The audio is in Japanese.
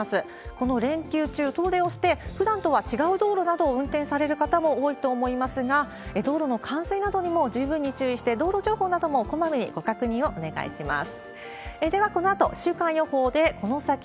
この連休中、遠出をして、ふだんとは違う道路などを運転される方も多いと思いますが、道路の冠水などにも十分に注意して、道路情報などもこまめにご確認をお願いします。